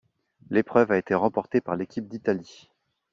L'épreuve a été remportée par l'équipe d'Italie.